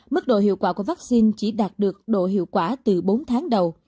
mức độ hiệu quả của vaccine chỉ đạt được độ hiệu quả từ bốn tháng đầu